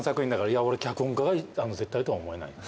いや俺脚本家が絶対とは思えない。